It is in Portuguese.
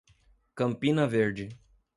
Campina Verde